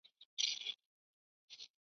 دوی د ښه ژوند تعریف په عام قانون بدلوي.